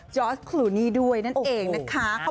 จอร์สคลูนี่ด้วยนั่นเองนะคะ